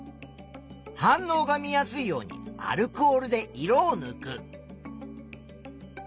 反応が見やすいようにアルコールで色をぬく。